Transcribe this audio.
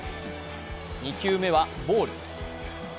２球目はボール。